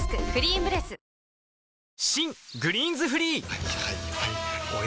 はいはいはいはい。